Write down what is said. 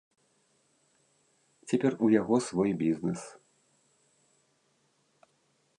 Цяпер у яго свой бізнэс.